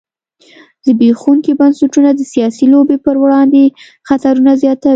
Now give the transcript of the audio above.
زبېښونکي بنسټونه د سیاسي لوبې پر وړاندې خطرونه زیاتوي.